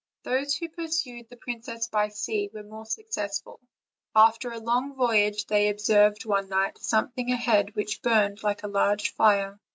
Those who pursued the princess by sea were more suc cessful, for after a long voyage they observed one night something ahead which burned like a large fire.